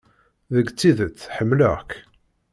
Deg tidet, ḥemmleɣ-k.